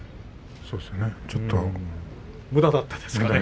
そうですね、ちょっとむだですね。